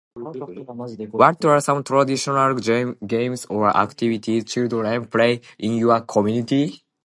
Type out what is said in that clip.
What are some traditional games or activities you do play in your community?